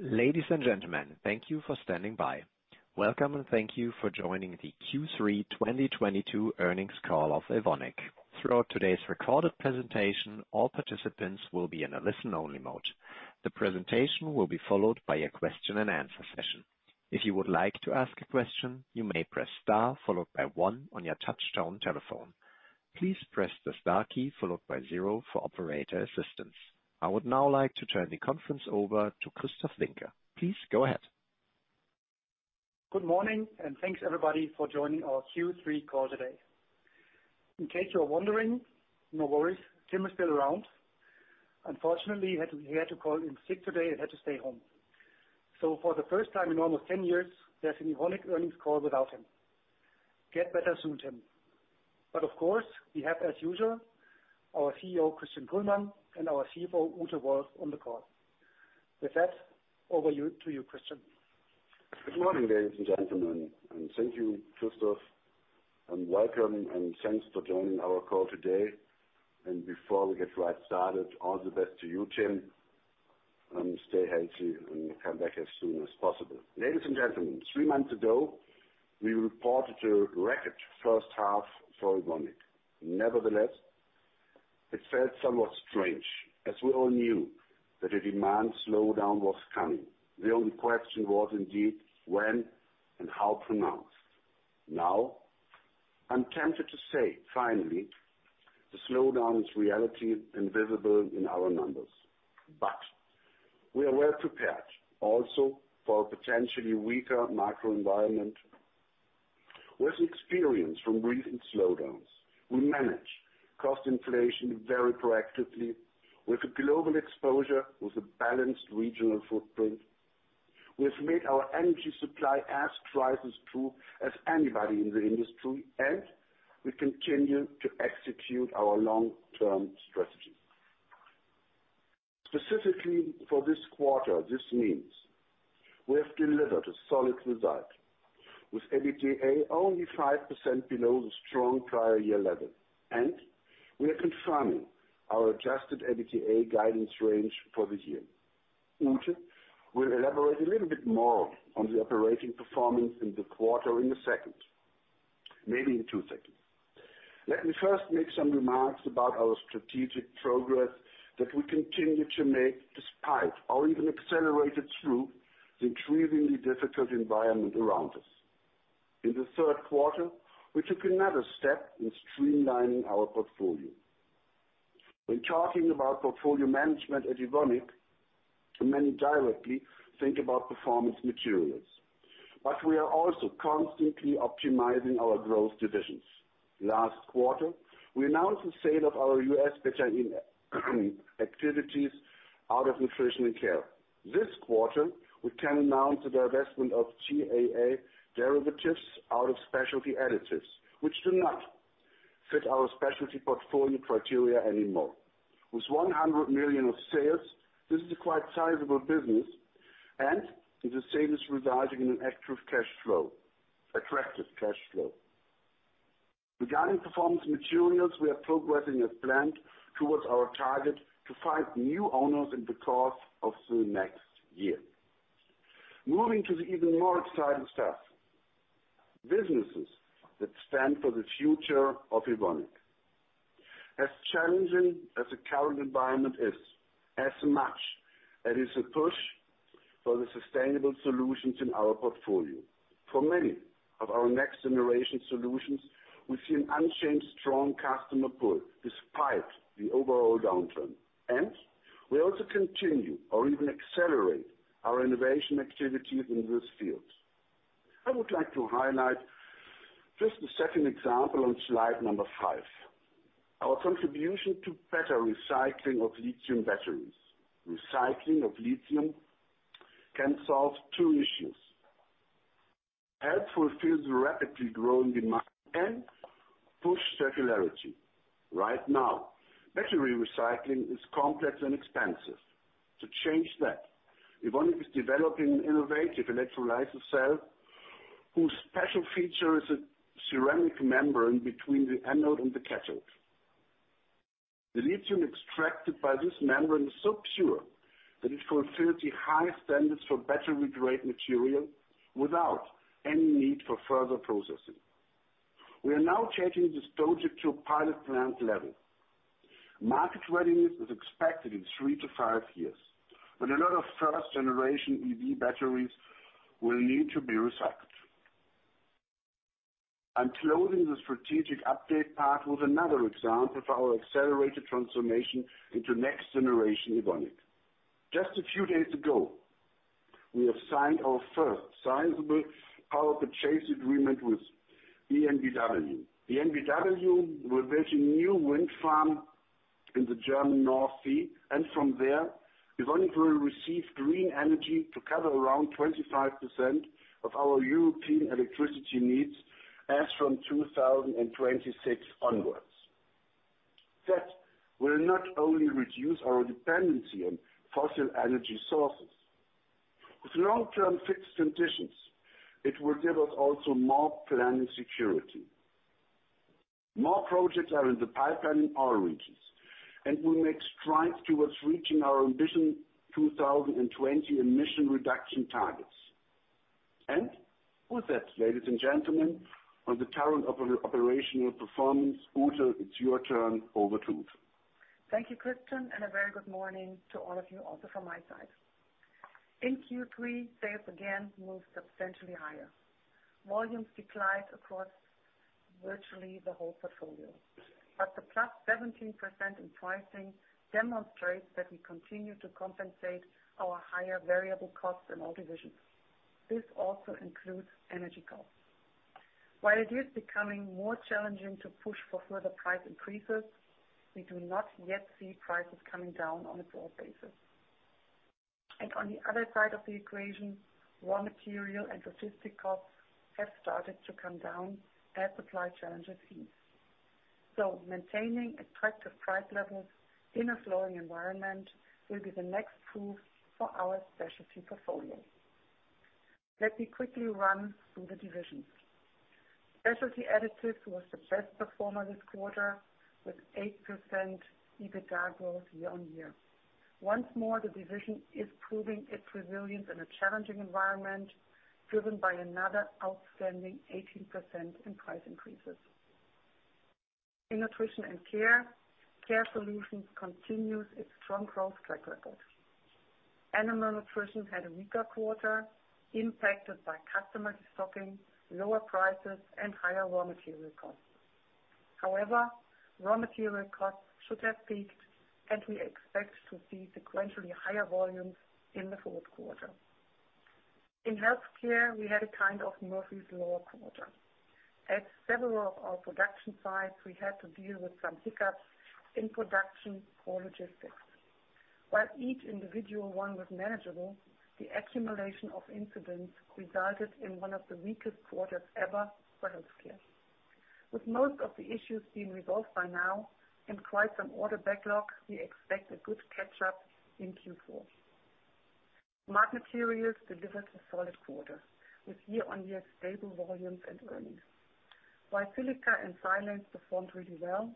Ladies and gentlemen, thank you for standing by. Welcome, and thank you for joining the Q3 2022 earnings call of Evonik. Throughout today's recorded presentation, all participants will be in a listen-only mode. The presentation will be followed by a question and answer session. If you would like to ask a question, you may press star, followed by one on your touchtone telephone. Please press the star key followed by zero for operator assistance. I would now like to turn the conference over to Christoph Finke. Please go ahead. Good morning, and thanks everybody for joining our Q3 call today. In case you're wondering, no worries, Tim is still around. Unfortunately, he had to call in sick today and had to stay home. So for the first time in almost 10 years, there's an Evonik earnings call without him. Get better soon, Tim. Of course, we have, as usual, our CEO, Christian Kullmann, and our CFO, Ute Wolf, on the call. With that, over to you, Christian. Good morning, ladies and gentlemen, and thank you, Christoph, and welcome and thanks for joining our call today. Before we get right started, all the best to you, Tim, and stay healthy and come back as soon as possible. Ladies and gentlemen, three months ago, we reported a record first half for Evonik. It felt somewhat strange, as we all knew that a demand slowdown was coming. The only question was indeed when and how pronounced. I'm tempted to say, finally, the slowdown is reality and visible in our numbers. We are well-prepared also for a potentially weaker macro environment. With experience from recent slowdowns, we manage cost inflation very proactively with a global exposure with a balanced regional footprint. We have made our energy supply as crisis-proof as anybody in the industry, and we continue to execute our long-term strategy. Specifically for this quarter, this means we have delivered a solid result, with EBITDA only 5% below the strong prior year level, and we are confirming our adjusted EBITDA guidance range for the year. Ute will elaborate a little bit more on the operating performance in the quarter in a second. In two seconds. Let me first make some remarks about our strategic progress that we continue to make despite or even accelerated through the increasingly difficult environment around us. In the third quarter, we took another step in streamlining our portfolio. When talking about portfolio management at Evonik, many directly think about Performance Materials. We are also constantly optimizing our growth divisions. Last quarter, we announced the sale of our U.S. betaine activities out of Nutrition & Care. This quarter, we can announce the divestment of GAA derivatives out of Specialty Additives, which do not fit our specialty portfolio criteria anymore. With 100 million of sales, this is a quite sizable business, and the sale is resulting in an attractive cash flow. Regarding Performance Materials, we are progressing as planned towards our target to find new owners in the course of the next year. Moving to the even more exciting stuff, businesses that stand for the future of Evonik. As challenging as the current environment is, as much it is a push for the sustainable solutions in our portfolio. For many of our next-generation solutions, we see an unchanged strong customer pull despite the overall downturn, and we also continue or even accelerate our innovation activities in this field. I would like to highlight just the second example on slide number five. Our contribution to better recycling of lithium batteries. Recycling of lithium can solve two issues: help fulfill the rapidly growing demand and push circularity. Right now, battery recycling is complex and expensive. To change that, Evonik is developing an innovative electrolysis cell whose special feature is a ceramic membrane between the anode and the cathode. The lithium extracted by this membrane is so pure that it fulfills the highest standards for battery-grade material without any need for further processing. We are now taking this project to a pilot plant level. Market readiness is expected in three to five years, when a lot of first-generation EV batteries will need to be recycled. I'm closing the strategic update part with another example for our accelerated transformation into next-generation Evonik. Just a few days ago, we have signed our first sizable power purchase agreement with EnBW. EnBW will build a new wind farm in the German North Sea. From there, Evonik will receive green energy to cover around 25% of our European electricity needs as from 2026 onwards. That will not only reduce our dependency on fossil energy sources. With long-term fixed conditions, it will give us also more planning security. More projects are in the pipeline in all regions. We make strides towards reaching our ambition 2020 emission reduction targets. With that, ladies and gentlemen, on the current operational performance, Ute, it's your turn. Over to Ute. Thank you, Christian, and a very good morning to all of you also from my side. In Q3, sales again moved substantially higher. Volumes declined across virtually the whole portfolio, but the plus 17% in pricing demonstrates that we continue to compensate our higher variable costs in all divisions. This also includes energy costs. While it is becoming more challenging to push for further price increases, we do not yet see prices coming down on a raw basis. On the other side of the equation, raw material and logistic costs have started to come down as supply challenges ease. Maintaining attractive price levels in a slowing environment will be the next proof for our specialty portfolio. Let me quickly run through the divisions. Specialty Additives was the best performer this quarter, with 8% EBITDA growth year-on-year. Once more, the division is proving its resilience in a challenging environment, driven by another outstanding 18% in price increases. In Nutrition & Care Solutions continues its strong growth track record. Animal Nutrition had a weaker quarter impacted by customer stocking, lower prices, and higher raw material costs. However, raw material costs should have peaked, and we expect to see sequentially higher volumes in the fourth quarter. In Health Care, we had a kind of Murphy's Law quarter. At several of our production sites, we had to deal with some hiccups in production or logistics. While each individual one was manageable, the accumulation of incidents resulted in one of the weakest quarters ever for Health Care. With most of the issues being resolved by now and quite some order backlog, we expect a good catch-up in Q4. Smart Materials delivered a solid quarter with year-on-year stable volumes and earnings. While silica and silanes performed really well,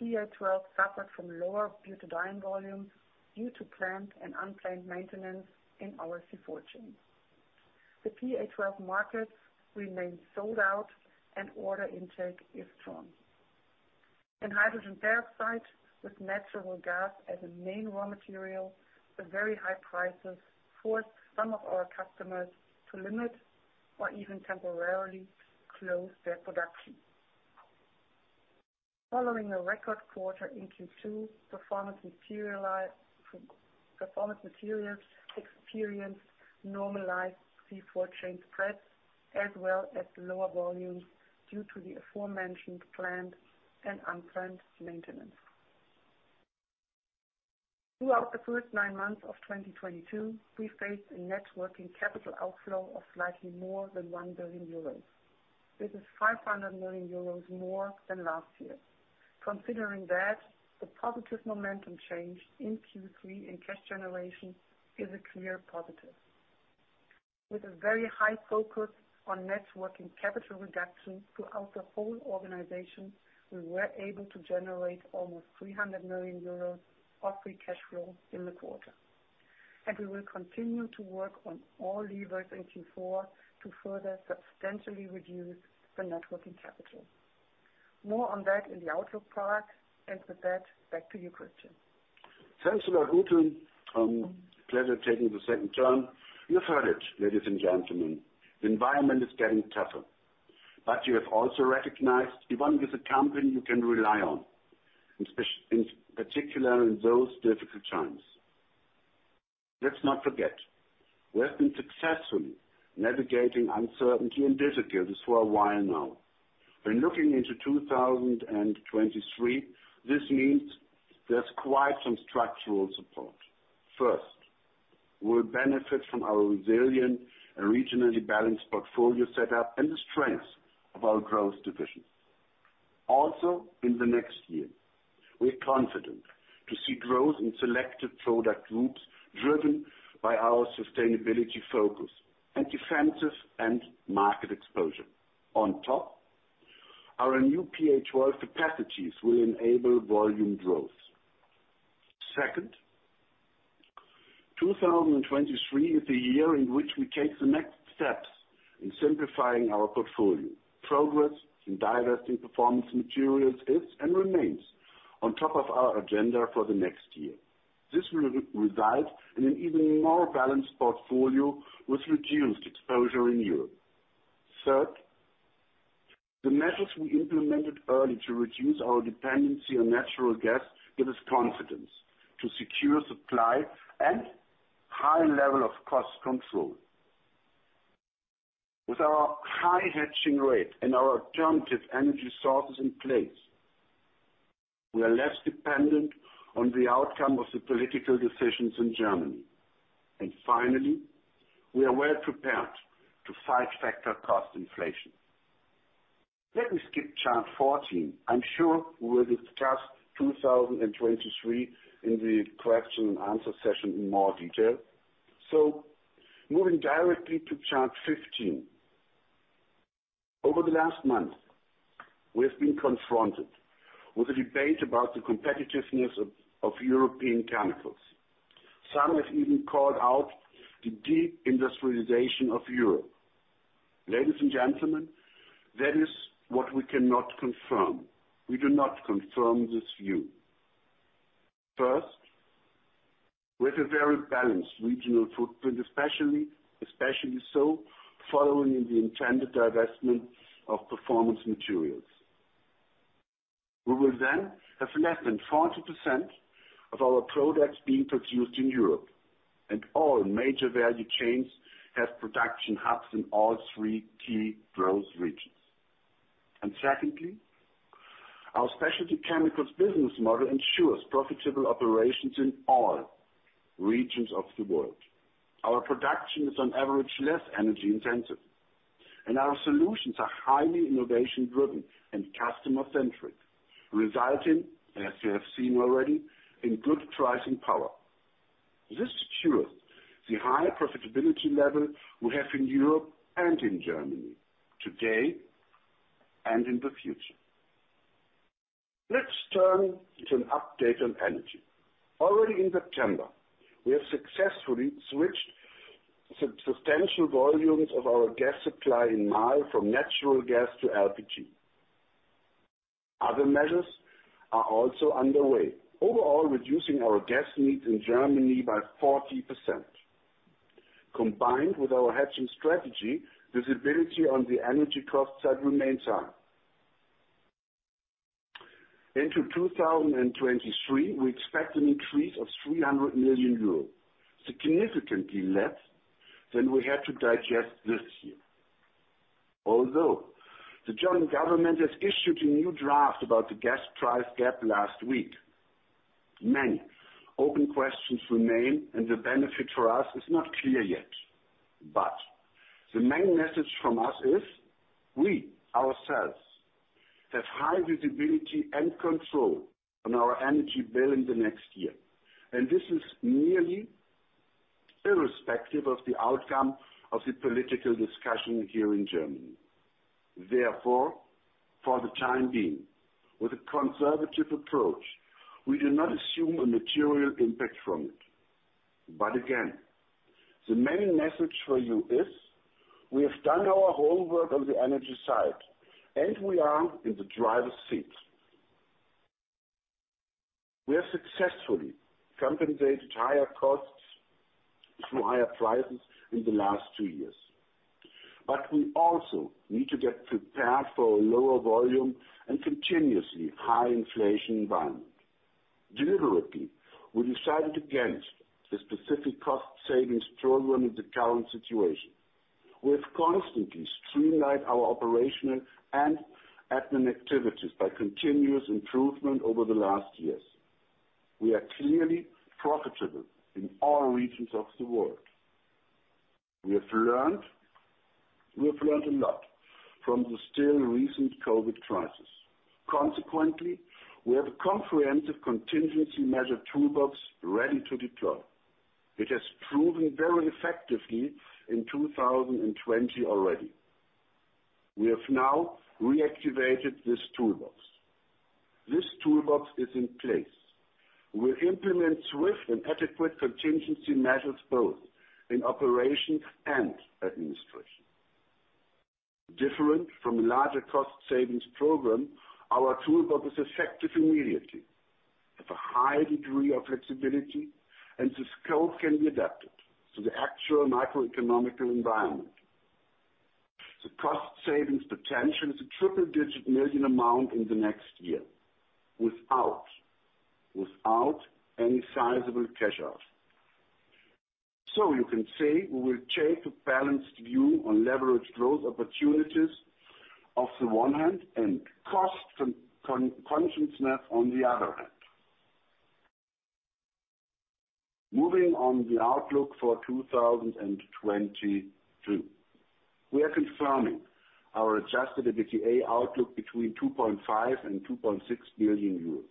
PA12 suffered from lower butadiene volumes due to planned and unplanned maintenance in our C4 chain. The PA12 markets remain sold out and order intake is strong. In Hydrogen Peroxide, with natural gas as a main raw material, the very high prices forced some of our customers to limit or even temporarily close their production. Following a record quarter in Q2, Performance Materials experienced normalized C4 chain spreads as well as lower volumes due to the aforementioned planned and unplanned maintenance. Throughout the first nine months of 2022, we faced a net working capital outflow of slightly more than 1 billion euros. This is 500 million euros more than last year. Considering that, the positive momentum change in Q3 and cash generation is a clear positive. With a very high focus on net working capital reduction throughout the whole organization, we were able to generate almost 300 million euros of free cash flow in the quarter. We will continue to work on all levers in Q4 to further substantially reduce the net working capital. More on that in the outlook part. With that, back to you, Christian. Thanks a lot, Ute. Pleasure taking the second turn. You've heard it, ladies and gentlemen. The environment is getting tougher, but you have also recognized Evonik is a company you can rely on, in particular in those difficult times. Let's not forget, we have been successfully navigating uncertainty and difficulties for a while now. When looking into 2023, this means there's quite some structural support. First, we'll benefit from our resilient and regionally balanced portfolio setup and the strengths of our growth divisions. Also in the next year, we are confident to see growth in selected product groups driven by our sustainability focus and defensive end market exposure. On top, our new PA12 capacities will enable volume growth. Second, 2023 is a year in which we take the next steps in simplifying our portfolio. Progress in divesting Performance Materials is and remains on top of our agenda for the next year. This will result in an even more balanced portfolio with reduced exposure in Europe. Third, the measures we implemented early to reduce our dependency on natural gas give us confidence to secure supply and high level of cost control. With our high hedging rate and our alternative energy sources in place, we are less dependent on the outcome of the political decisions in Germany. Finally, we are well prepared to fight factor cost inflation. Let me skip chart 14. I'm sure we will discuss 2023 in the question and answer session in more detail. Moving directly to chart 15. Over the last month, we have been confronted with a debate about the competitiveness of European chemicals. Some have even called out the de-industrialization of Europe. Ladies and gentlemen, that is what we cannot confirm. We do not confirm this view. First, we have a very balanced regional footprint, especially so following in the intended divestment of Performance Materials. We will then have less than 40% of our products being produced in Europe, and all major value chains have production hubs in all three key growth regions. Secondly, our specialty chemicals business model ensures profitable operations in all regions of the world. Our production is on average, less energy-intensive, and our solutions are highly innovation-driven and customer-centric, resulting, as you have seen already, in good pricing power. This secures the high profitability level we have in Europe and in Germany today and in the future. Let's turn to an update on energy. Already in September, we have successfully switched substantial volumes of our gas supply in Marl from natural gas to LPG. Other measures are also underway. Overall, reducing our gas needs in Germany by 40%. Combined with our hedging strategy, visibility on the energy costs side remains high. Into 2023, we expect an increase of 300 million euros, significantly less than we had to digest this year. Although the German government has issued a new draft about the gas price cap last week, many open questions remain, and the benefit for us is not clear yet. The main message from us is, we ourselves have high visibility and control on our energy bill in the next year, and this is merely irrespective of the outcome of the political discussion here in Germany. Therefore, for the time being, with a conservative approach, we do not assume a material impact from it. Again, the main message for you is, we have done our homework on the energy side, and we are in the driver's seat. We have successfully compensated higher costs through higher prices in the last two years. We also need to get prepared for a lower volume and continuously high inflation environment. Deliberately, we decided against the specific cost-savings program of the current situation. We've constantly streamlined our operational and admin activities by continuous improvement over the last years. We are clearly profitable in all regions of the world. We have learned a lot from the still recent COVID crisis. Consequently, we have a comprehensive contingency measure toolbox ready to deploy, which has proven very effectively in 2020 already. We have now reactivated this toolbox. This toolbox is in place. We'll implement swift and adequate contingency measures both in operations and administration. Different from a larger cost-savings program, our toolbox is effective immediately, have a high degree of flexibility, and the scope can be adapted to the actual microeconomic environment. The cost savings potential is a triple-digit million amount in the next year without any sizable cash-out. You can say we will take a balanced view on leveraged growth opportunities on the one hand, and cost consciousness on the other hand. Moving on the outlook for 2022. We are confirming our adjusted EBITDA outlook between 2.5 billion and 2.6 billion euros.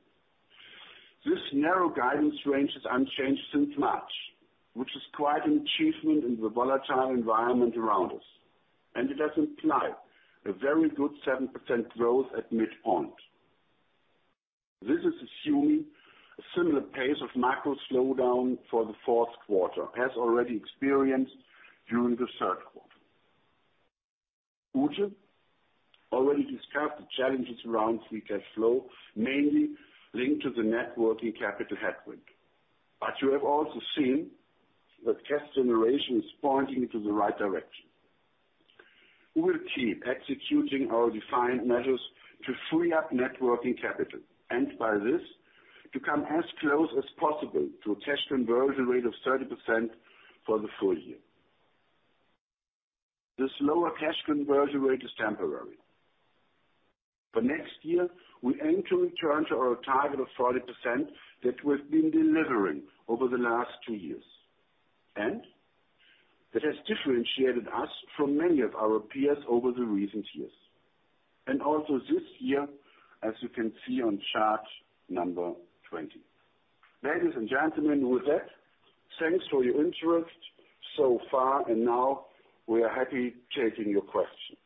This narrow guidance range is unchanged since March, which is quite an achievement in the volatile environment around us, and it does imply a very good 7% growth at midpoint. This is assuming a similar pace of macro slowdown for the fourth quarter as already experienced during the third quarter. Ute already discussed the challenges around free cash flow, mainly linked to the net working capital headwind. You have also seen that cash generation is pointing into the right direction. We will keep executing our defined measures to free up net working capital, and by this, to come as close as possible to a cash conversion rate of 30% for the full year. This lower cash conversion rate is temporary. For next year, we aim to return to our target of 40% that we've been delivering over the last two years, and that has differentiated us from many of our peers over the recent years. Also this year, as you can see on chart number 20. Ladies and gentlemen, with that, thanks for your interest so far, and now we are happy taking your questions.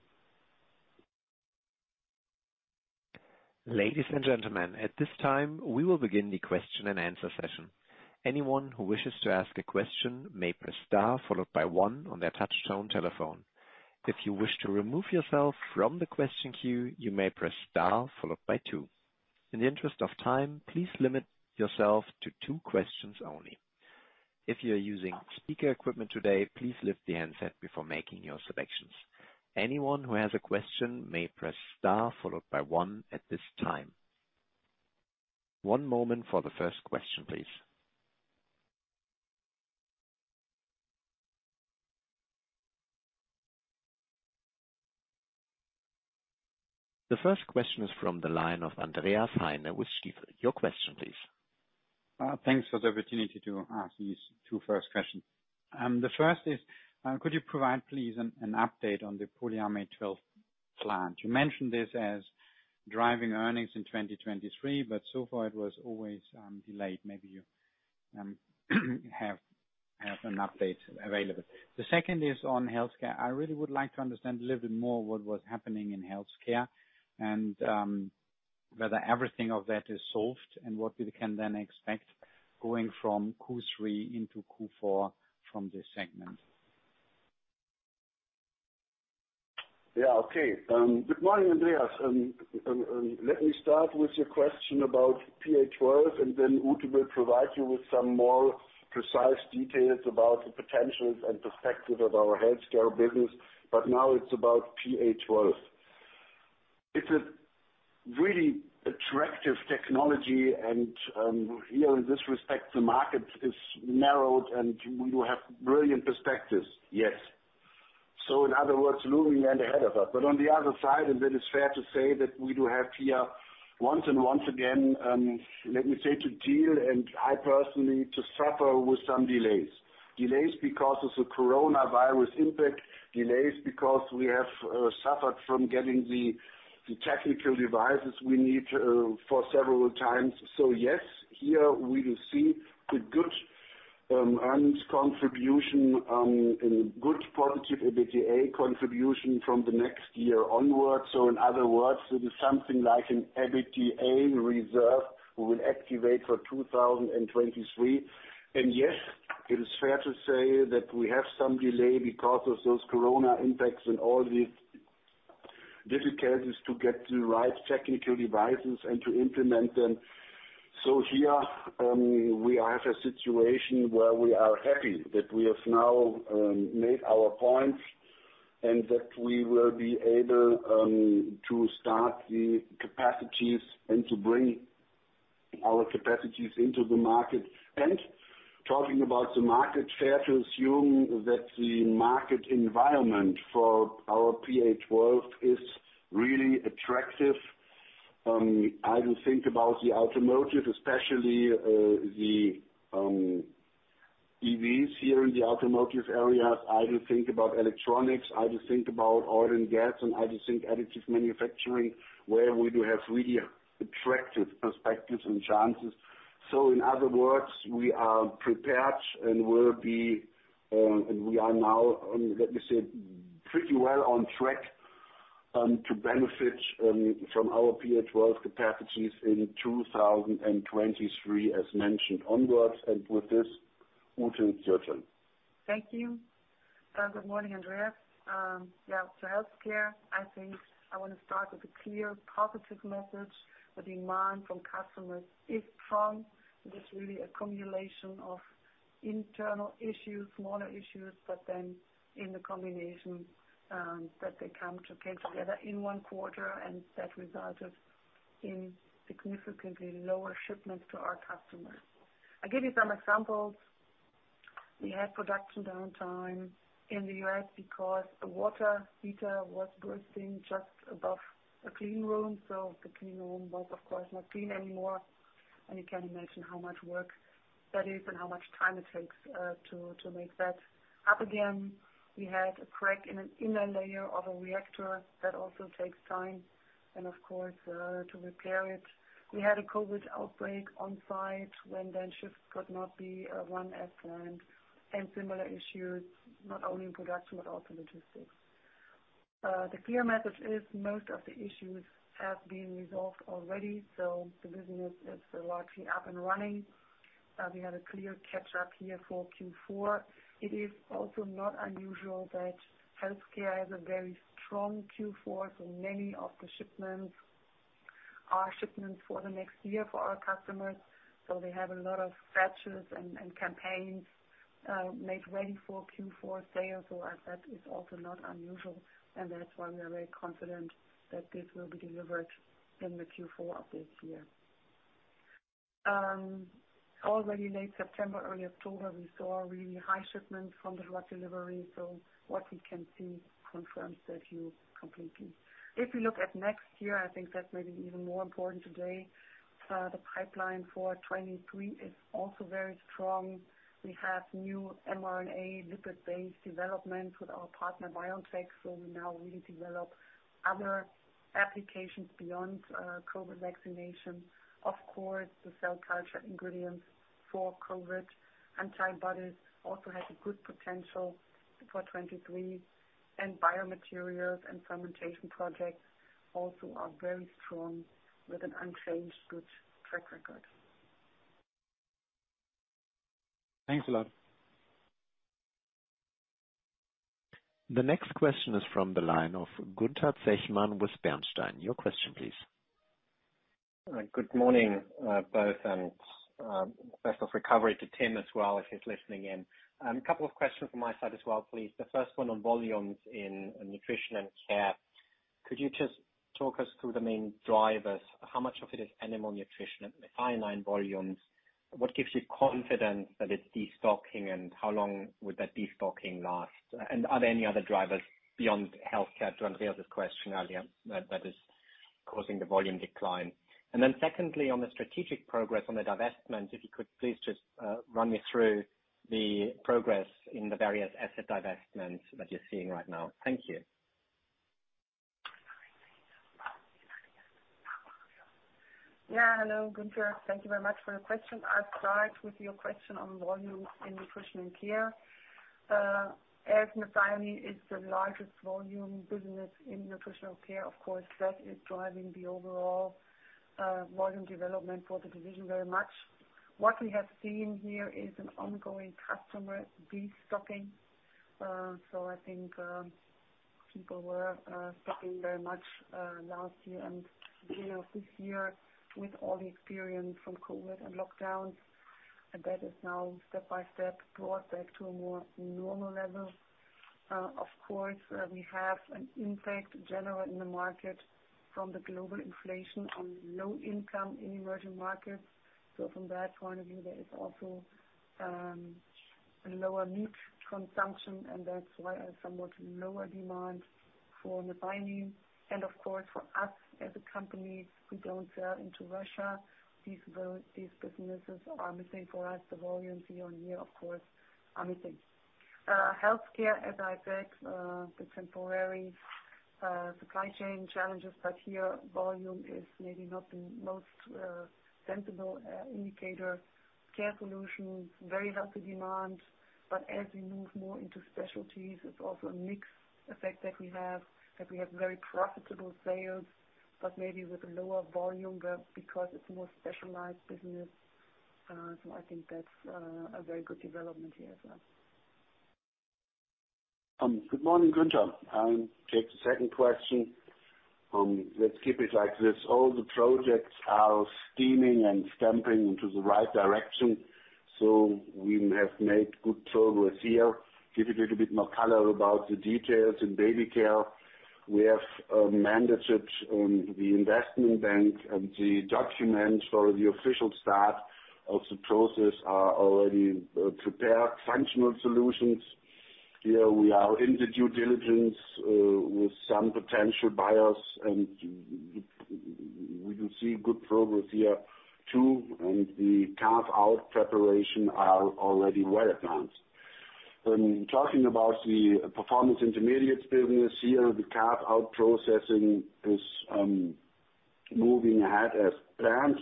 Ladies and gentlemen, at this time, we will begin the question and answer session. Anyone who wishes to ask a question may press star followed by one on their touchtone telephone. If you wish to remove yourself from the question queue, you may press star followed by two. In the interest of time, please limit yourself to two questions only. If you're using speaker equipment today, please lift the handset before making your selections. Anyone who has a question may press star followed by one at this time. One moment for the first question, please. The first question is from the line of Andreas Heine with Stifel. Your question, please. Thanks for the opportunity to ask these two first questions. The first is, could you provide, please, an update on the polyamide 12 plant? You mentioned this as driving earnings in 2023, but so far it was always delayed. Maybe you have an update available. The second is on Health Care. I really would like to understand a little bit more what was happening in Health Care and whether everything of that is solved and what we can then expect going from Q3 into Q4 from this segment. Okay. Good morning, Andreas. Let me start with your question about PA12 and then Ute will provide you with some more precise details about the potentials and perspectives of our Health Care business. Now it's about PA12. It's a really attractive technology. Here in this respect, the market is narrowed, and we will have brilliant perspectives. Yes. In other words, looming and ahead of us. On the other side, it is fair to say that we do have here once again, let me say to deal, and I personally to suffer with some delays. Delays because of the coronavirus impact, delays because we have suffered from getting the technical devices we need for several times. Yes, here we will see the good earned contribution and good positive EBITDA contribution from the next year onwards. In other words, it is something like an EBITDA reserve we will activate for 2023. Yes, it is fair to say that we have some delay because of those Corona impacts and all these difficulties to get the right technical devices and to implement them. Here, we have a situation where we are happy that we have now made our points and that we will be able to start the capacities and to bring our capacities into the market. Talking about the market, fair to assume that the market environment for our PA12 is really attractive. I will think about the automotive, especially the EVs here in the automotive area. I will think about electronics. I will think about oil and gas, and I will think additives manufacturing, where we do have really attractive perspectives and chances. In other words, we are prepared and we are now, let me say, pretty well on track to benefit from our PA12 capacities in 2023, as mentioned onwards. With this, Ute Wolf. Thank you. Good morning, Andreas. Health Care, I think I want to start with a clear positive message. The demand from customers is strong. It is really a combination of internal issues, smaller issues, but then in the combination that they come together in one quarter and that resulted in significantly lower shipments to our customers. I'll give you some examples. We had production downtime in the U.S. because a water heater was bursting just above a clean room, so the clean room was, of course, not clean anymore, and you can imagine how much work that is and how much time it takes to make that up again. We had a crack in an inner layer of a reactor that also takes time, and of course, to repair it. We had a COVID outbreak on site when then shifts could not be run as planned and similar issues, not only in production, but also logistics. The clear message is most of the issues have been resolved already, so the business is largely up and running. We have a clear catch up here for Q4. It is also not unusual that Health Care has a very strong Q4, many of the shipments are shipments for the next year for our customers. They have a lot of batches and campaigns made ready for Q4 sales or as that is also not unusual, and that's why we are very confident that this will be delivered in the Q4 of this year. Already late September, early October, we saw really high shipments from the truck delivery. What we can see confirms the view completely. If we look at next year, I think that may be even more important today. The pipeline for 2023 is also very strong. We have new mRNA lipid-based developments with our partner, BioNTech, so we now really develop other applications beyond COVID vaccination. Of course, the cell culture ingredients for COVID antibodies also has a good potential for 2023, and biomaterials and fermentation projects also are very strong with an unchanged good track record. Thanks a lot. The next question is from the line of Gunther Zechmann with Bernstein. Your question please. Good morning, both. Best of recovery to Tim as well, if he's listening in. A couple of questions from my side as well, please. The first one on volumes in Nutrition & Care. Could you just talk us through the main drivers? How much of it is Animal Nutrition and methionine volumes? What gives you confidence that it's de-stocking, and how long would that de-stocking last? Are there any other drivers beyond Health Care, to answer this question earlier, that is causing the volume decline? Secondly, on the strategic progress on the divestment, if you could please just run me through the progress in the various asset divestments that you're seeing right now. Thank you. Hello, Gunther. Thank you very much for your question. I'll start with your question on volume in Nutrition & Care. As methionine is the largest volume business in Nutrition & Care, of course, that is driving the overall volume development for the division very much. I think, people were stocking very much last year and beginning of this year with all the experience from COVID and lockdowns. That is now step by step brought back to a more normal level. Of course, we have an impact general in the market from the global inflation on low income in emerging markets. From that point of view, there is also a lower meat consumption and that's why a somewhat lower demand for methionine. Of course, for us as a company, we don't sell into Russia. These businesses are missing for us. The volumes year-over-year, of course, are missing. Health Care, as I said, the temporary supply chain challenges, but here volume is maybe not the most sensible indicator. Care Solutions, very healthy demand. As we move more into specialties, it's also a mix effect that we have, that we have very profitable sales, but maybe with a lower volume because it's a more specialized business. I think that's a very good development here as well. Good morning, Gunther. I'll take the second question. Let's keep it like this. All the projects are steaming and stamping into the right direction. We have made good progress here. Give a little bit more color about the details. In Baby Care, we have a mandate with the investment bank, the documents for the official start of the process are already prepared. Functional Solutions, here we are in the due diligence, with some potential buyers, we do see good progress here, too. The carve-out preparation are already well advanced. Talking about the Performance Intermediates business here, the carve-out processing is moving ahead as planned.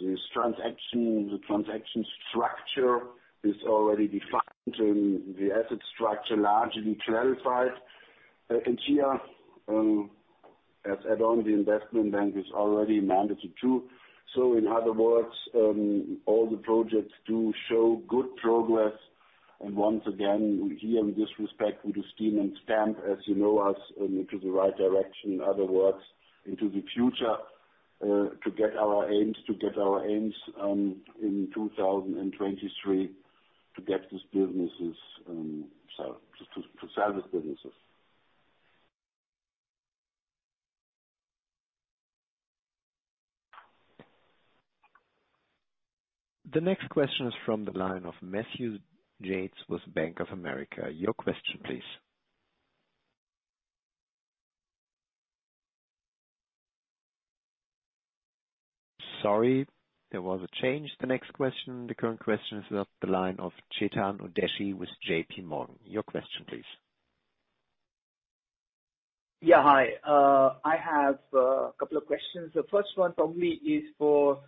This transaction, the transaction structure is already defined and the asset structure largely clarified. Here, as add-on, the investment bank is already mandated, too. In other words, all the projects do show good progress. Once again, here in this respect, we do steam and stamp, as you know us, into the right direction. In other words, into the future, to get our aims in 2023 to get these businesses, to service businesses. The next question is from the line of Matthew Yates with Bank of America. Your question, please. Sorry, there was a change. The next question, the current question is the line of Chetan Udeshi with J.P. Morgan. Your question, please. Yeah. Hi. I have a couple of questions. The first one probably is for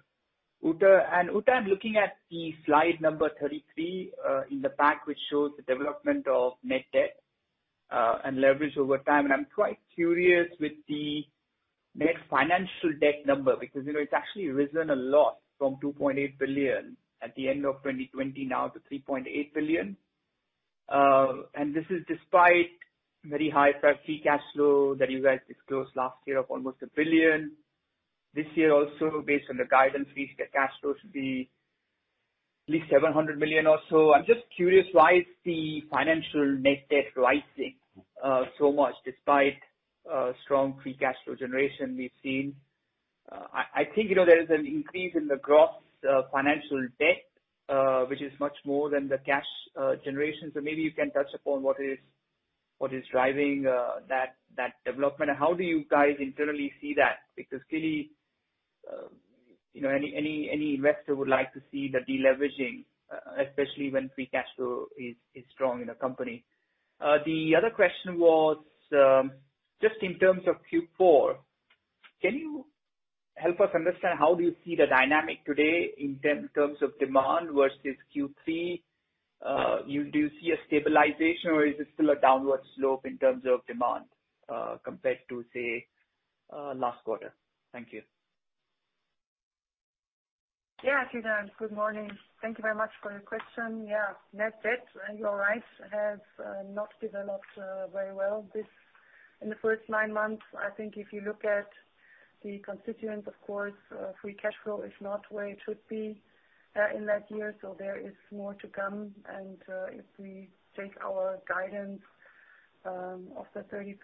Ute. Ute, I'm looking at the slide number 33 in the back, which shows the development of net debt and leverage over time. I'm quite curious with the net financial debt number, because it's actually risen a lot from 2.8 billion at the end of 2020 now to 3.8 billion. This is despite very high free cash flow that you guys disclosed last year of almost 1 billion. This year also, based on the guidance, free cash flow should be at least 700 million or so. I'm just curious why is the financial net debt rising so much despite strong free cash flow generation we've seen? I think there is an increase in the gross financial debt, which is much more than the cash generation. Maybe you can touch upon What is driving that development and how do you guys internally see that? Because clearly, any investor would like to see the deleveraging, especially when free cash flow is strong in a company. The other question was, just in terms of Q4, can you help us understand how do you see the dynamic today in terms of demand versus Q3? Do you see a stabilization or is it still a downward slope in terms of demand, compared to, say, last quarter? Thank you. Chetan, good morning. Thank you very much for your question. Net debt, you're right, has not developed very well. In the first nine months, I think if you look at the constituent, of course, free cash flow is not where it should be in that year, so there is more to come. If we take our guidance, of the 30%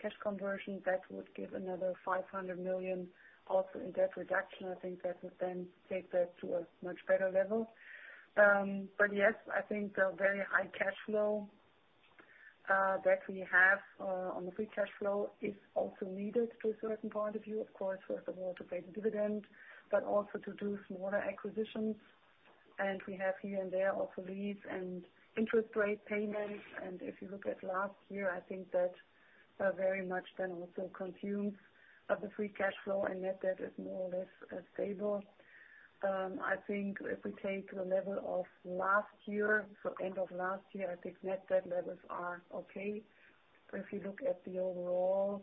cash conversion, that would give another 500 million also in debt reduction. I think that would then take that to a much better level. Yes, I think the very high cash flow, that we have on the free cash flow is also needed to a certain point of view. Of course, first of all, to pay the dividend, but also to do some other acquisitions. We have here and there also lease and interest rate payments. If you look at last year, I think that very much then also consumes of the free cash flow, net debt is more or less stable. I think if we take the level of last year, so end of last year, I think net debt levels are okay. If you look at the overall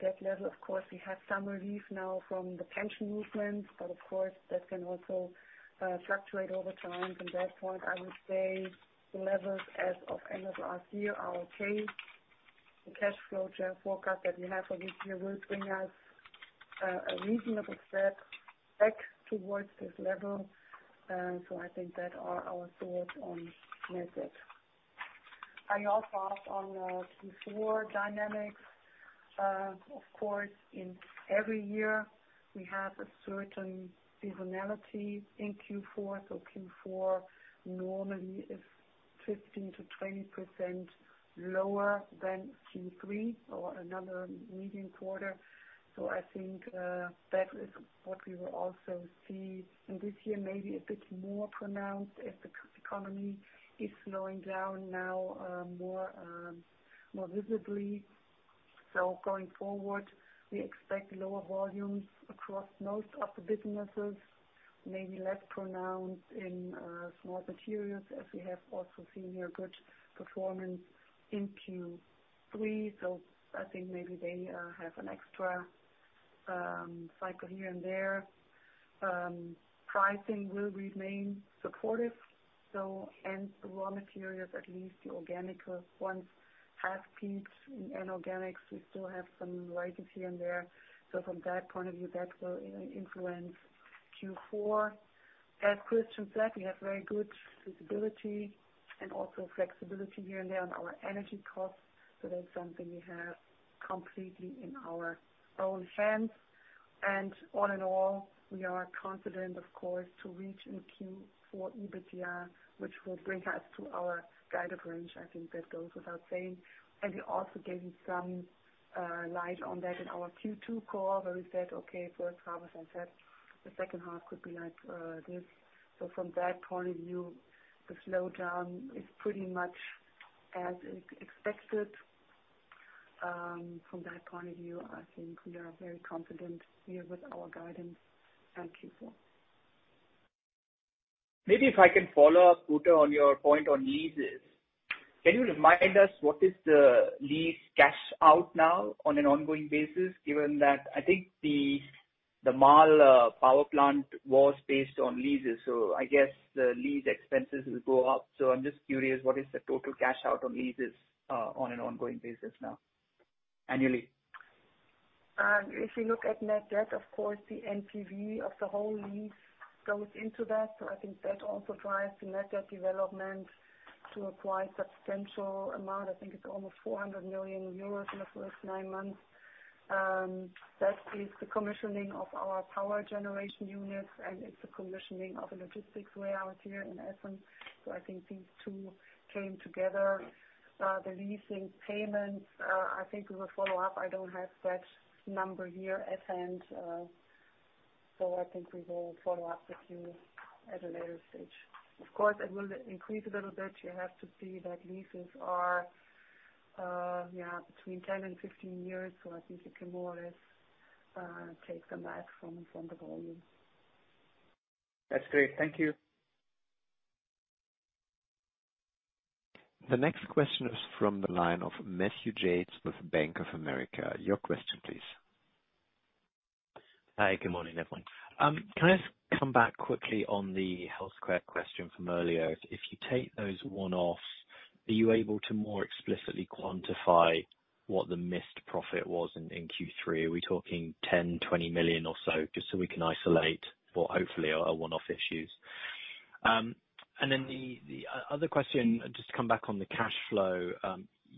debt level, of course, we have some relief now from the pension movements, but of course, that can also fluctuate over time. From that point, I would say the levels as of end of last year are okay. The cash flow forecast that we have for this year will bring us a reasonable step back towards this level. I think that are our thoughts on net debt. You asked on Q4 dynamics. Of course, in every year, we have a certain seasonality in Q4. Q4 normally is 15%-20% lower than Q3 or another medium quarter. I think that is what we will also see, and this year may be a bit more pronounced as the economy is slowing down now more visibly. Going forward, we expect lower volumes across most of the businesses, maybe less pronounced in raw materials, as we have also seen here good performance in Q3. I think maybe they have an extra cycle here and there. Pricing will remain supportive, and the raw materials, at least the organic ones, have peaked. In inorganics, we still have some rises here and there. From that point of view, that will influence Q4. As Christian said, we have very good visibility and also flexibility here and there on our energy costs. That's something we have completely in our own hands. All in all, we are confident, of course, to reach in Q4 EBITDA, which will bring us to our guided range. I think that goes without saying. We also gave you some light on that in our Q2 call where we said, okay, first half, as I said, the second half could be like this. From that point of view, the slowdown is pretty much as expected. From that point of view, I think we are very confident here with our guidance and Q4. Maybe if I can follow up, Ute, on your point on leases. Can you remind us what is the lease cash out now on an ongoing basis, given that, I think, the Marl power plant was based on leases, I guess the lease expenses will go up. I'm just curious, what is the total cash out on leases on an ongoing basis now, annually? If you look at net debt, of course, the NPV of the whole lease goes into that. That also drives the net debt development to a quite substantial amount. It's almost 400 million euros in the first nine months. That is the commissioning of our power generation units and it's the commissioning of a logistics warehouse here in Essen. These two came together. The leasing payments, we will follow up. I don't have that number here at hand. We will follow up with you at a later stage. Of course, it will increase a little bit. You have to see that leases are between 10 and 15 years. You can more or less take the math from the volume. That's great. Thank you. The next question is from the line of Matthew Yates with Bank of America. Your question please. Hi. Good morning, everyone. Can I just come back quickly on the Health Care question from earlier? If you take those one-offs, are you able to more explicitly quantify what the missed profit was in Q3? Are we talking 10 million, 20 million or so, just so we can isolate what hopefully are one-off issues? Then the other question, just to come back on the cash flow.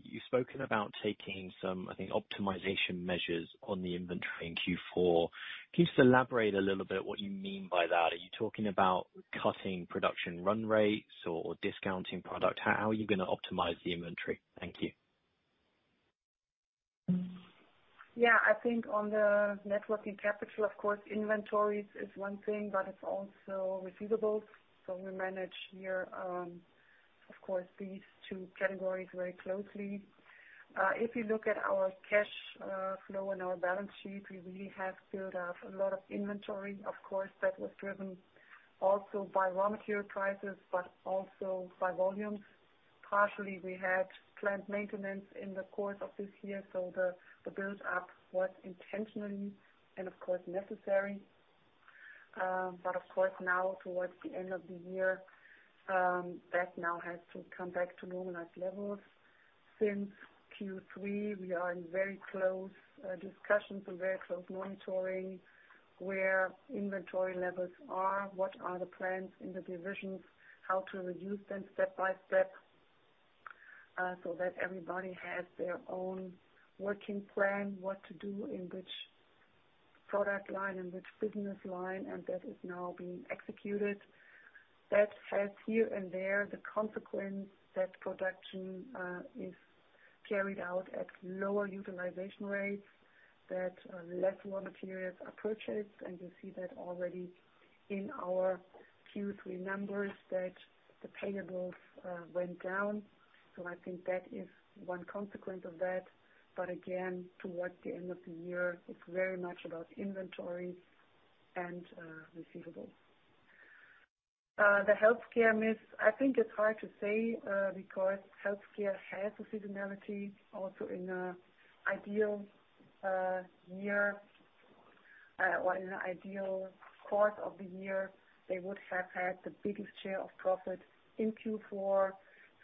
You've spoken about taking some, I think, optimization measures on the inventory in Q4. Can you just elaborate a little bit what you mean by that? Are you talking about cutting production run rates or discounting product? How are you going to optimize the inventory? Thank you. Yeah. I think on the networking capital, of course, inventories is one thing, but it's also receivables. We manage here, of course, these two categories very closely. If you look at our cash flow and our balance sheet, we really have built up a lot of inventory. Of course, that was driven also by raw material prices, but also by volumes. Partially, we had plant maintenance in the course of this year, so the build-up was intentional and of course, necessary. Of course, now towards the end of the year, that now has to come back to normalized levels. Since Q3, we are in very close discussions and very close monitoring where inventory levels are, what are the plans in the divisions, how to reduce them step by step, so that everybody has their own working plan, what to do in which product line and which business line, and that is now being executed. That has here and there, the consequence that production is carried out at lower utilization rates, that less raw materials are purchased, and you see that already in our Q3 numbers that the payables went down. I think that is one consequence of that. Again, towards the end of the year, it's very much about inventories and receivables. The Health Care miss, I think it's hard to say, because Health Care has a seasonality also in an ideal year, or in an ideal course of the year, they would have had the biggest share of profit in Q4.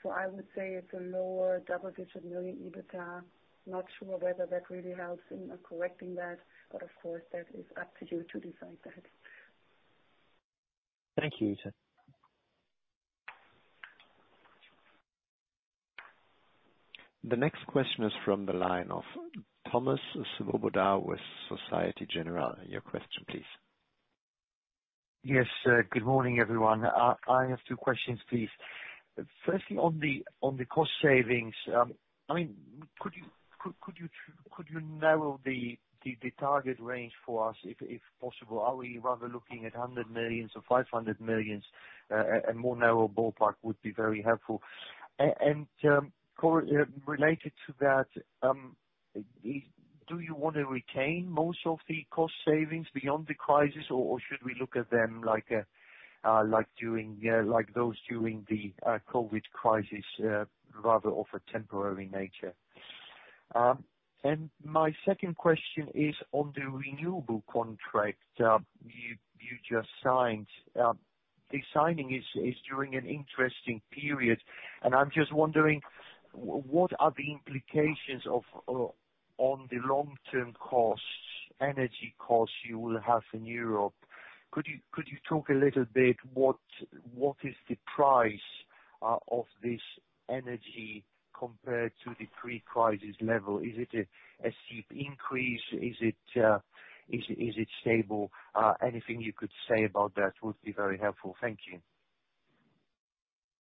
I would say it's a lower double-digit million EBITDA. Not sure whether that really helps in correcting that. Of course, that is up to you to decide that. Thank you, Ute. The next question is from the line of Thomas Swoboda with Societe Generale. Your question, please. Yes. Good morning, everyone. I have two questions, please. Firstly, on the cost savings. Could you narrow the target range for us, if possible? Are we rather looking at 100 million or 500 million? A more narrow ballpark would be very helpful. Related to that, do you want to retain most of the cost savings beyond the crisis, or should we look at them like those during the COVID crisis, rather of a temporary nature? My second question is on the renewable contract you just signed. The signing is during an interesting period, and I'm just wondering, what are the implications on the long-term energy costs you will have in Europe? Could you talk a little bit, what is the price of this energy compared to the pre-crisis level? Is it a steep increase? Is it stable? Anything you could say about that would be very helpful. Thank you.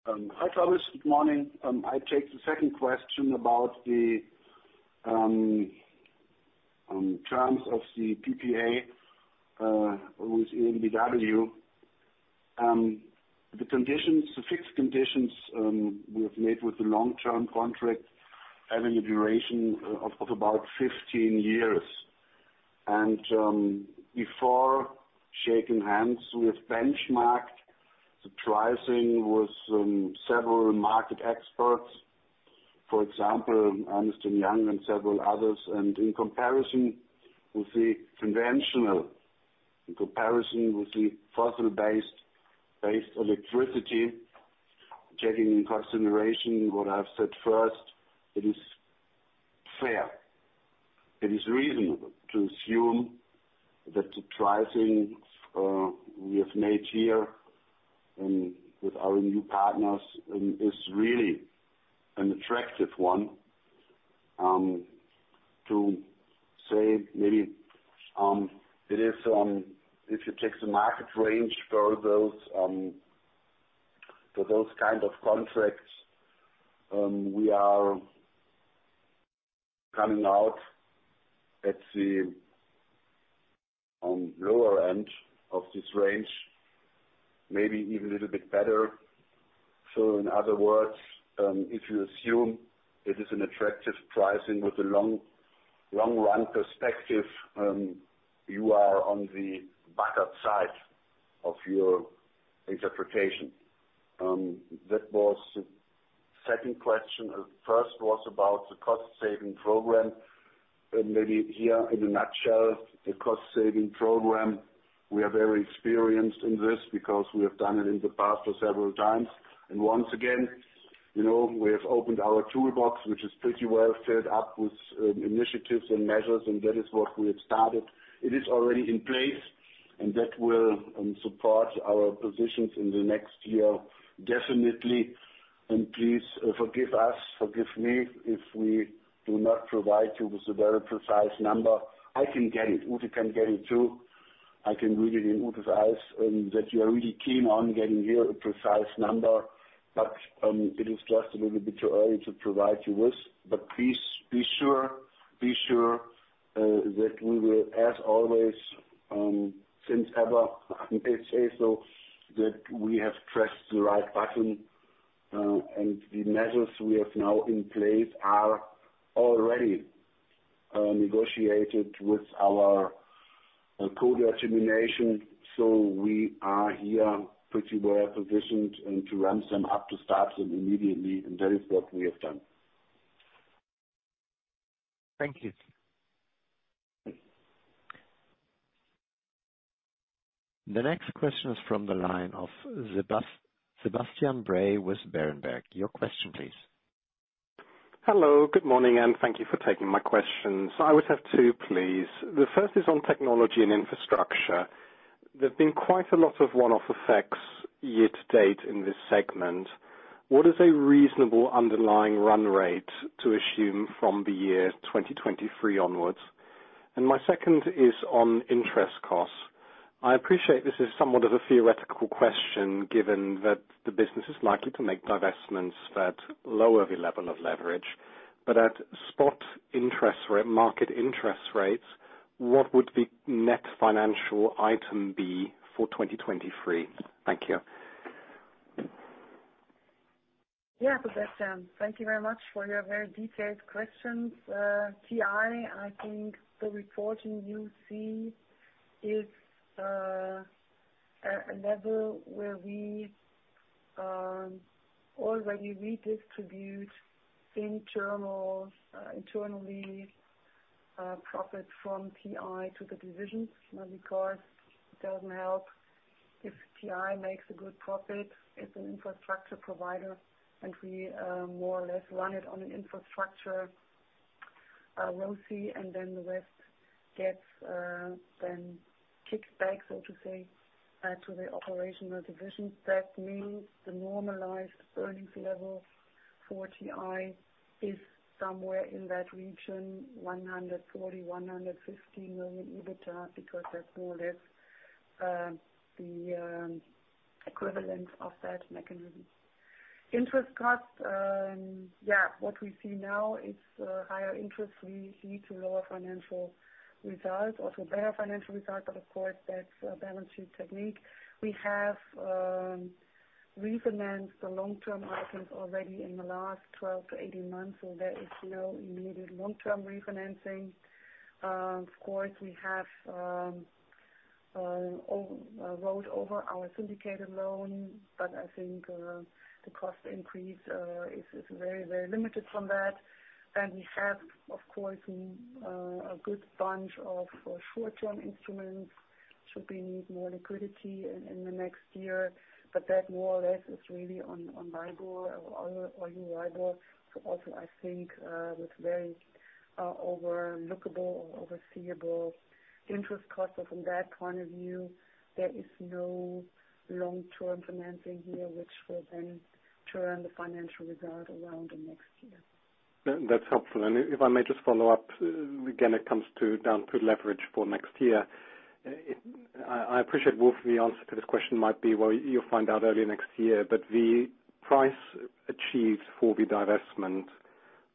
Hi, Thomas. Good morning. I take the second question about the terms of the PPA with EnBW. The fixed conditions we have made with the long-term contract having a duration of about 15 years. Before shaking hands, we have benchmarked the pricing with several market experts. For example, Ernst & Young and several others. In comparison with the conventional, in comparison with the fossil-based electricity, taking in consideration what I've said first, it is fair, it is reasonable to assume that the pricing we have made here and with our new partners is really an attractive one, to say maybe if you take the market range for those kind of contracts, we are coming out at the lower end of this range, maybe even a little bit better. In other words, if you assume it is an attractive pricing with a long-run perspective, you are on the better side of your interpretation. That was the second question. The first was about the cost-saving program. Maybe here in a nutshell, the cost-saving program, we are very experienced in this because we have done it in the past for several times. Once again, we have opened our toolbox, which is pretty well filled up with initiatives and measures, and that is what we have started. It is already in place. That will support our positions in the next year, definitely. Please forgive us, forgive me, if we do not provide you with a very precise number. I can get it. Ute can get it, too. I can read it in Ute's eyes that you are really keen on getting here a precise number. It is just a little bit too early to provide you with. Please be sure that we will, as always, since ever, I may say so, that we have pressed the right button. The measures we have now in place are already negotiated with our code of administration. We are here pretty well positioned and to ramp them up, to start them immediately, and that is what we have done. Thank you. The next question is from the line of Sebastian Bray with Berenberg. Your question, please. Hello. Good morning, and thank you for taking my questions. I would have two, please. The first is on Technology & Infrastructure. There've been quite a lot of one-off effects year to date in this segment. What is a reasonable underlying run rate to assume from the year 2023 onwards? My second is on interest costs. I appreciate this is somewhat of a theoretical question, given that the business is likely to make divestments that lower the level of leverage, but at spot interest rate, market interest rates, what would the net financial item be for 2023? Thank you. Yeah, Sebastian. Thank you very much for your very detailed questions. TI, I think the reporting you see is a level where we already redistribute internally profit from TI to the divisions. Now, because it doesn't help if TI makes a good profit as an infrastructure provider and we more or less run it on an infrastructure ROSI and then the rest gets then kicked back, so to say, to the operational divisions. That means the normalized earnings level for TI is somewhere in that region, 140 million-150 million EBITDA, because that's more or less the equivalent of that mechanism. Interest cost. Yeah, what we see now is higher interest. We see to lower financial results, also better financial results, but of course, that's a balance sheet technique. We have refinanced the long-term items already in the last 12 to 18 months, so there is no immediate long-term refinancing. Of course, we have rolled over our syndicated loan, but I think the cost increase is very limited from that. We have, of course, a good bunch of short-term instruments should we need more liquidity in the next year. That more or less is really on LIBOR or EURIBOR. Also I think, with very overlookable or overseeable interest costs. From that point of view, there is no long-term financing here, which will then turn the financial result around in the next year. That's helpful. If I may just follow up, again, it comes down to leverage for next year. I appreciate, Wolf, the answer to this question might be, well, you'll find out early next year, but the price achieved for the divestment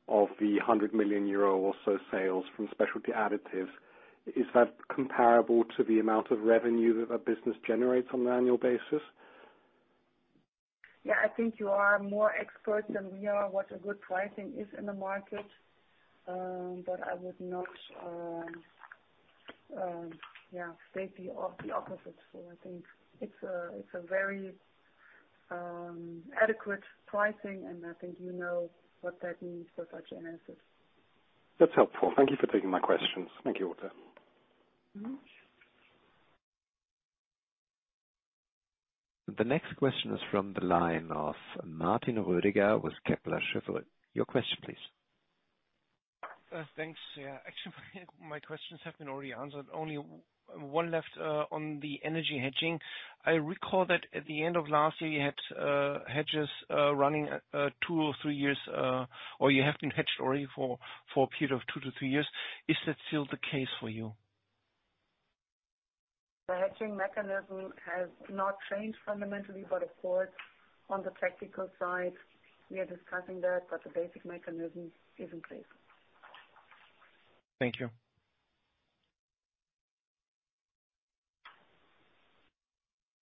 of the 100 million euro or so sales from Specialty Additives, is that comparable to the amount of revenue that a business generates on an annual basis? I think you are more expert than we are what a good pricing is in the market. I would not say the opposite. I think it's a very adequate pricing, and I think you know what that means for such analysis. That's helpful. Thank you for taking my questions. Thank you, Ute. The next question is from the line of Martin Roediger with Kepler Cheuvreux. Your question, please. Thanks. Yeah. Actually, my questions have been already answered. Only one left on the energy hedging. I recall that at the end of last year, you had hedges running two or three years, or you have been hedged already for a period of two to three years. Is that still the case for you? The hedging mechanism has not changed fundamentally, of course, on the practical side, we are discussing that, but the basic mechanism is in place. Thank you.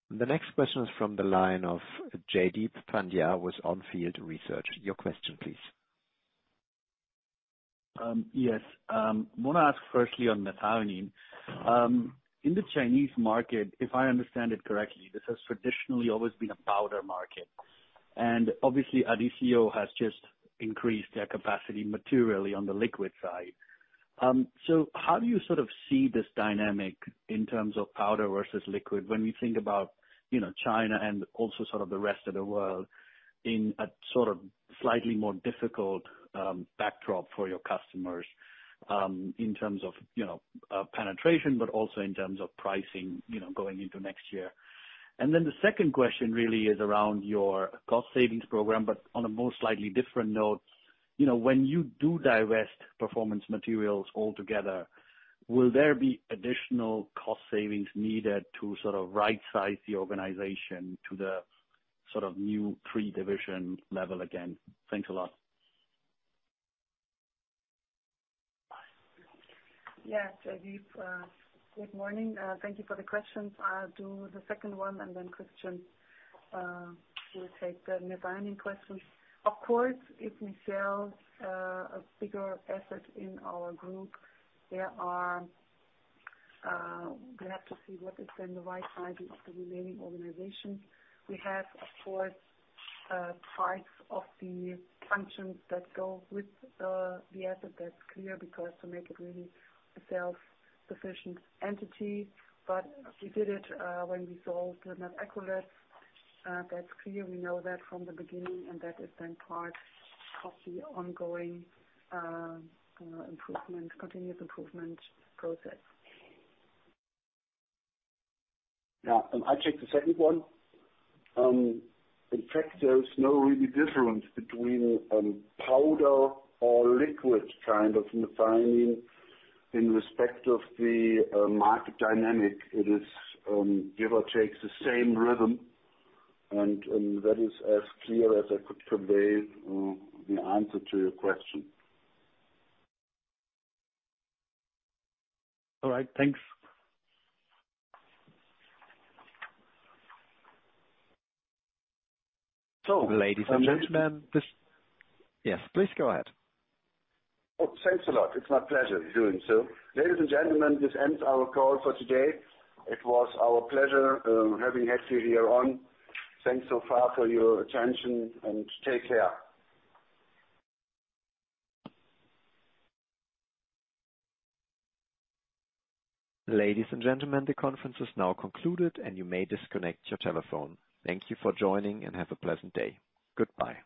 The next question is from the line of Jaideep Pandya with On Field Investment Research. Your question, please. I want to ask firstly on methionine. In the Chinese market, if I understand it correctly, this has traditionally always been a powder market. Obviously, Adisseo has just increased their capacity materially on the liquid side. How do you see this dynamic in terms of powder versus liquid when we think about China and also the rest of the world in a slightly more difficult backdrop for your customers, in terms of penetration, but also in terms of pricing going into next year? Then the second question really is around your cost savings program, but on a most slightly different note. When you do divest Performance Materials altogether, will there be additional cost savings needed to rightsize the organization to the new pre-division level again? Thanks a lot. Yes, Jaideep. Good morning. Thank you for the questions. I'll do the second one. Then Christian will take the methionine questions. Of course, if we sell a bigger asset in our group, we have to see what is then the right sizing of the remaining organization. We have, of course, parts of the functions that go with the asset. That's clear, because to make it really a self-sufficient entity. We did it when we sold the Net Equilev. That's clear. We know that from the beginning, and that is then part of the ongoing continuous improvement process. I take the second one. In fact, there's no really difference between powder or liquid kind of methionine in respect of the market dynamic. It is, give or take, the same rhythm. That is as clear as I could convey the answer to your question. All right. Thanks. So- Ladies and gentlemen, Yes, please go ahead. Thanks a lot. It's my pleasure doing so. Ladies and gentlemen, this ends our call for today. It was our pleasure having had you here on. Thanks so far for your attention, and take care. Ladies and gentlemen, the conference is now concluded, and you may disconnect your telephone. Thank you for joining, and have a pleasant day. Goodbye.